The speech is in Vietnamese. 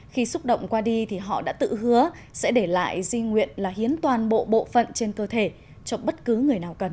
khi xúc động qua đi thì họ đã tự hứa sẽ để lại di nguyện là hiến toàn bộ bộ phận trên cơ thể cho bất cứ người nào cần